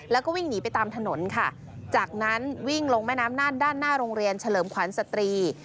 แล้วก็วิ่งหนีไปตามถนนค่ะจากนั้นวิ่งลงแม่น้ำน่านด้านหน้าโรงเรียนเฉลิมขวัญสตรี